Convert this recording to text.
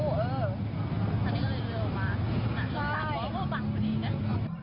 อันนี้ก็เร็วมาก